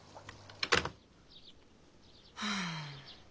はあ